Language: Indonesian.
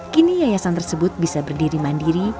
kini yayasan tersebut bisa berdiri mandiri